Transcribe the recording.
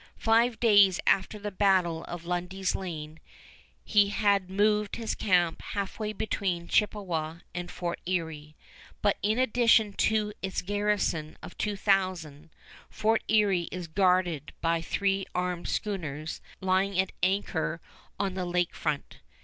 Five days after the battle of Lundy's Lane he had moved his camp halfway between Chippewa and Fort Erie; but in addition to its garrison of two thousand, Fort Erie is guarded by three armed schooners lying at anchor on the lake front.